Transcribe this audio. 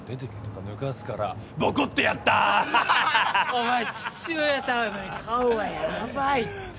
お前父親と会うのに顔はヤバいって。